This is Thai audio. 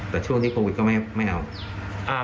แต่ช่วงนี้โควิดก็ไม่เอา